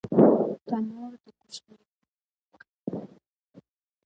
تنور د کوچنیانو له خوښۍ ډک دی